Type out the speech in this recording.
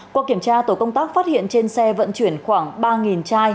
qua kiểm tra tổ công tác phát hiện trên xe vận chuyển khoảng ba chai